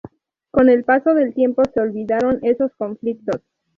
Con el paso del tiempo se olvidaron esos conflictos.